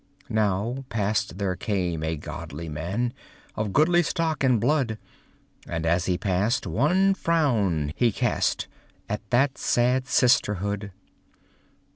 Now past there came a godly man, Of goodly stock and blood, And as he passed one frown he cast At that sad sisterhood.